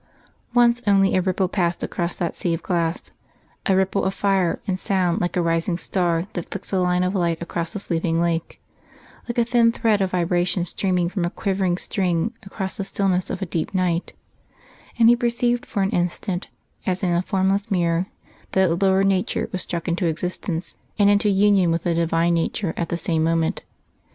Once only a ripple passed across that sea of glass, a ripple of fire and sound like a rising star that flicks a line of light across a sleeping lake, like a thin thread of vibration streaming from a quivering string across the stillness of a deep night and be perceived for an instant as in a formless mirror that a lower nature was struck into existence and into union with the Divine nature at the same moment....